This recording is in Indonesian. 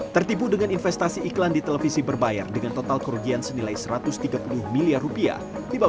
tertipu dengan investasi iklan di televisi berbayar dengan total kerugian senilai satu ratus tiga puluh miliar rupiah